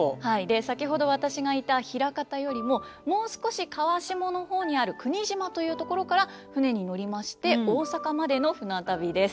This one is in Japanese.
先ほど私がいた枚方よりももう少し川下の方にある柴島という所から船に乗りまして大阪までの船旅です。